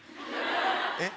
えっ？